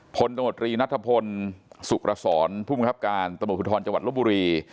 ผลตมตรีนัฐพลสุขศรภูมิคับการตมตรภูทรจังหวัดลบบุรี